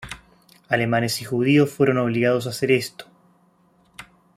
Alemanes y judíos fueron obligados a hacer esto.